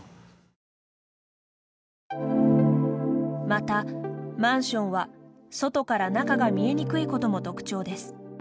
また、マンションは外から中が見えにくいことも特徴です。